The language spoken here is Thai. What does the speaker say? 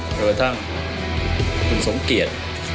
ถือว่าทั้งคุณสงกรีต